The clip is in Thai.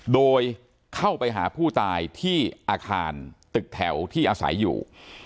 โดยเข้าไปหาผู้ตายที่อาคารตึกแถวที่อาศัยอยู่